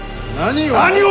何を。